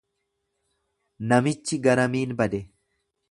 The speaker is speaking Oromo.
Namichi garamiin bade?